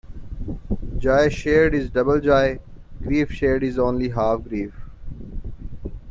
Joy shared is double joy; grief shared is only half grief.